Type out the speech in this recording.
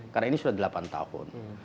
karena ini sudah delapan tahun